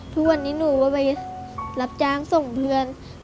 ทุกวันนี้หนูก็ไปรับจ้างส่งเพื่อน